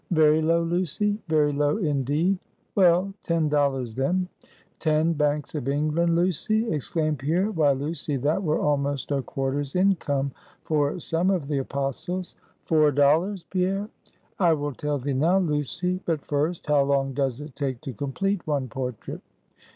"Very low, Lucy; very low, indeed." "Well, ten dollars, then." "Ten Banks of England, Lucy!" exclaimed Pierre. "Why, Lucy, that were almost a quarter's income for some of the Apostles!" "Four dollars, Pierre." "I will tell thee now, Lucy but first, how long does it take to complete one portrait?"